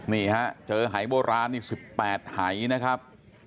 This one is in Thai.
นี่ฮะเจอหายโบราณนี่๑๘หายนะครับ